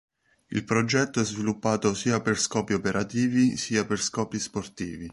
Il progetto è sviluppato sia per scopi operativi sia per scopi sportivi.